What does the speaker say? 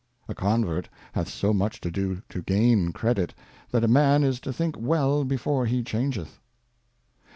A Convert hath so much to do to gain Credit, that a Man is to think well before he changeth.